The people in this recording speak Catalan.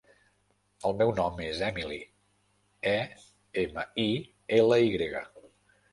El meu nom és Emily: e, ema, i, ela, i grega.